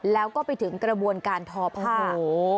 แล้วก็ไปถึงกระบวนการทอผ้า